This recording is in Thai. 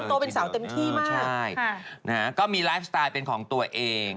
โตเป็นสาวเต็มที่มากใช่นะฮะก็มีไลฟ์สไตล์เป็นของตัวเอง